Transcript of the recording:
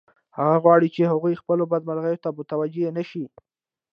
هغه غواړي چې هغوی خپلو بدمرغیو ته متوجه نشي